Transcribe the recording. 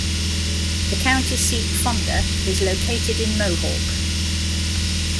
The county seat, Fonda, is located in Mohawk.